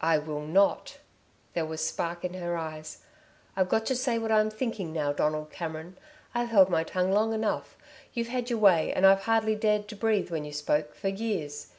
"I will not!" There was a spark in her eyes. "I've got to say what I'm thinking, now, Donald Cameron. I've held my tongue long enough. You've had your way, and I've hardly dared to breathe when you spoke, for years.